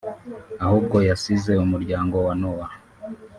ahubwo yasize umuryango wa Nowa